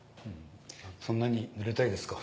「そんなにぬれたいですか？」